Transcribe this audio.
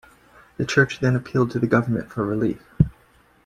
The Church then appealed to the government for relief.